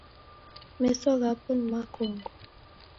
Meso ghapo ni makongo